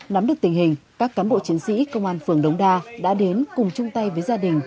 nắm được tình hình các cán bộ chiến sĩ công an phường đống đa đã đến cùng chung tay với gia đình